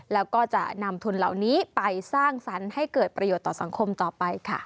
แล้วก็จะนำทุนเหล่านี้ไปสร้างสรรค์ให้เกิดประโยชน์ต่อสังคมต่อไปค่ะ